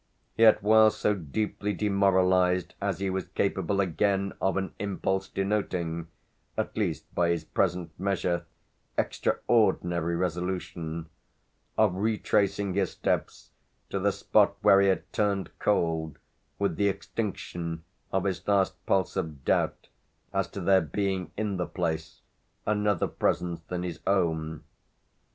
Yet while so deeply demoralised he was capable again of an impulse denoting at least by his present measure extraordinary resolution; of retracing his steps to the spot where he had turned cold with the extinction of his last pulse of doubt as to there being in the place another presence than his own.